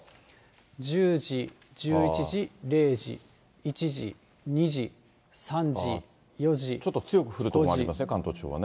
１０時、１１時、０時、１時、２時、３時、ちょっと強く降る所もありますね、関東地方はね。